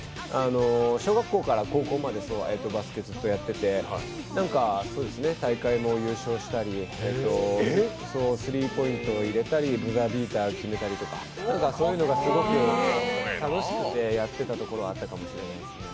小学校から高校までバスケずっとやってて大会も優勝したり、スリーポイントを入れたりブザービーターを決めたりとか、そういうのがすごく楽しくてやっていたところはあったかもしれないですね。